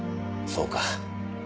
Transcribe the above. そうか。